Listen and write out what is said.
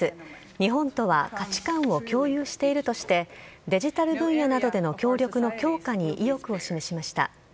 日本とは価値観を共有しているとしてデジタル分野などでの協力の強化に意欲を示しました。